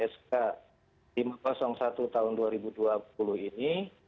sk lima ratus satu tahun dua ribu dua puluh ini